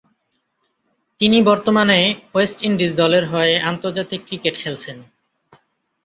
তিনি বর্তমানে West Indies দলের হয়ে আন্তর্জাতিক ক্রিকেট খেলছেন।